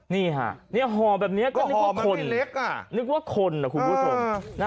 นี่ฮะนี่ฮอแบบนี้ก็นึกว่าคนนึกว่าคนนะคุณผู้ชม